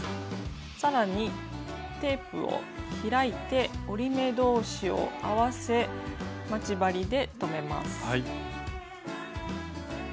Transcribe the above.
さらにテープを開いて折り目同士を合わせ待ち針で留めます。